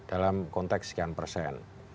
dalam konteks sekian persen